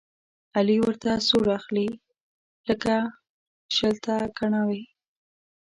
علي ورته سور اخلي، لکه شل ته کڼاوې.